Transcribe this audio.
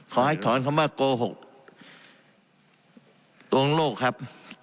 ขอให้ถอนคำว่าโกหกลวงโลกครับ